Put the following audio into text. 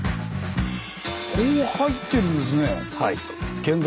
こう入ってるんですね県境が。